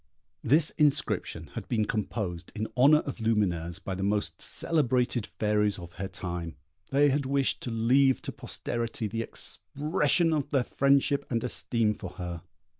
This inscription had been composed in honour of Lumineuse by the most celebrated fairies of her time. They had wished to leave to posterity the expression of their friendship and esteem for her.